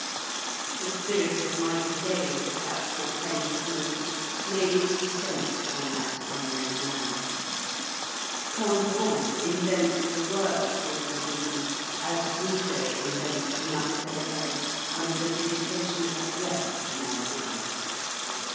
The spirit of mighty days at that portentous moment made its descent on that unknown man. Cambronne invents the word for Waterloo as Rouget invents the "Marseillaise," under the visitation of a breath from on high.